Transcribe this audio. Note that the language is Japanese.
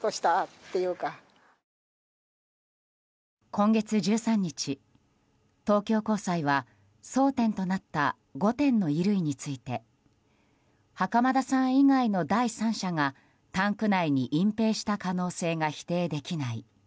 今月１３日、東京高裁は争点となった５点の衣類について袴田さん以外の第三者がタンク内に隠蔽した可能性が否定できない。